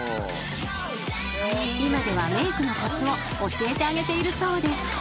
［今ではメークのコツを教えてあげているそうです］